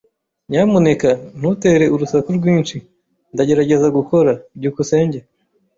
Nyamuneka ntutere urusaku rwinshi. Ndagerageza gukora. byukusenge